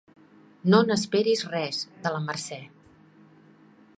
No n'esperis res, de la Mercè.